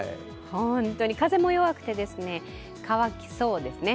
本当に風も弱くて乾きそうですね。